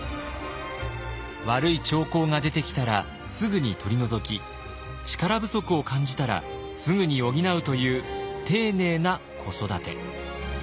悪い兆候が出てきたらすぐに取り除き力不足を感じたらすぐに補うという丁寧な子育て。